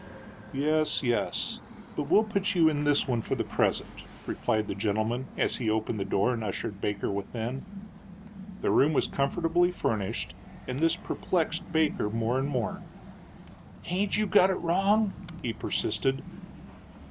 "Yes, yes; but we'll put you in this one for the present," replied the gentleman, as he opened the door and ushered Baker within. The room was comfortably furnished, and this perplexed Baker more and more. "Hain't you got it wrong?" he persisted.